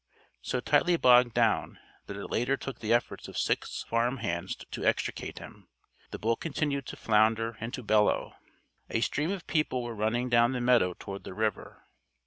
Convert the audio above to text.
So tightly bogged down that it later took the efforts of six farm hands to extricate him, the bull continued to flounder and to bellow. A stream of people were running down the meadow toward the river.